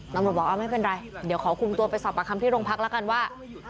น้องบอกว่าไม่เป็นไรเดี๋ยวขอคุมตัวไปสอบปากคำที่โรงพักละกันว่า